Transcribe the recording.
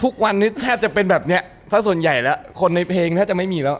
ทุกวันนี้แทบจะเป็นแบบเนี้ยถ้าส่วนใหญ่แล้วคนในเพลงแทบจะไม่มีแล้ว